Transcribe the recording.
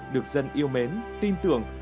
được dân yêu mến tin tưởng